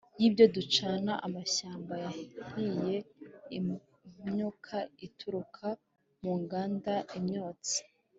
y'ibyo ducana: amashyamba yahiye, imyuka ituruka mu nganda, imyotsi